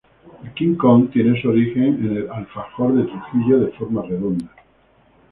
El 'king kong' tiene su origen en el alfajor de Trujillo, de forma redonda.